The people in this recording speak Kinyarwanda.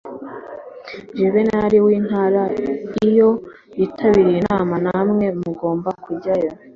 Guverineri w Intara iyo yitabiriye inama namwe mugomba kujyayo